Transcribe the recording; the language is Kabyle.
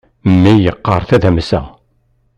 Mmi yeqqar tadamsa.